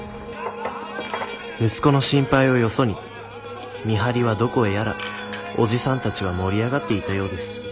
息子の心配をよそに見張りはどこへやらおじさんたちは盛り上がっていたようです